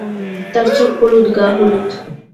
তাঁর চোখ হলুদ, গা হলুদ।